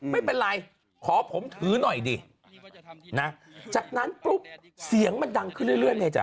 ไม่เป็นไรขอผมถือหน่อยดินะจากนั้นปุ๊บเสียงมันดังขึ้นเรื่อยเมจ๊